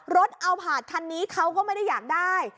รถเอาผ่านคันนี้เค้าก็ไม่ได้อยากได้